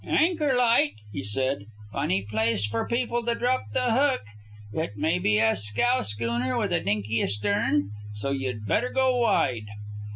"Anchor light," he said. "Funny place for people to drop the hook. It may be a scow schooner with a dinky astern, so you'd better go wide."